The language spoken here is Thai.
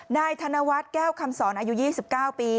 นายธนวัฒน์แก้วคำสอนอายุ๒๙ปี